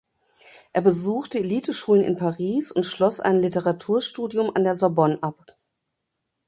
Er besuchte Eliteschulen in Paris und schloss ein Literaturstudium an der Sorbonne ab.